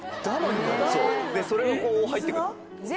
そうそれがこう入って来る。